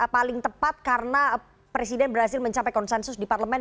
paling tepat karena presiden berhasil mencapai konsensus di parlemen